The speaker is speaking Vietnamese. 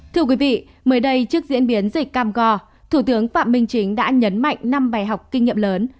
thưa quý vị mới đây trước diễn biến dịch cam go thủ tướng phạm minh chính đã nhấn mạnh năm bài học kinh nghiệm lớn